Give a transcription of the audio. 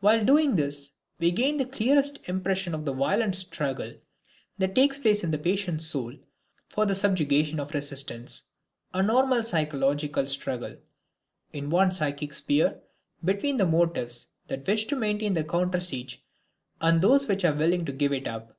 While doing this we gain the clearest impression of the violent struggle that takes place in the patient's soul for the subjugation of resistance a normal psychological struggle, in one psychic sphere between the motives that wish to maintain the counter siege and those which are willing to give it up.